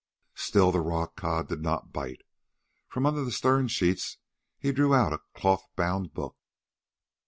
Still the rockcod did not bite. From under the stern sheets he drew out a cloth bound book.